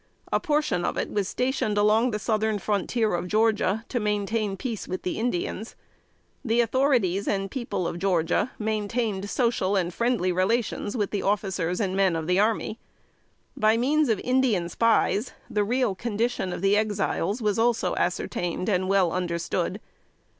A portion of it was stationed along our Southern frontier of Georgia, to maintain peace with the Indians. The authorities and people of Georgia maintained social and friendly relations with the officers and men of the army. By means of Indian spies, the real condition of the Exiles was also ascertained and well understood.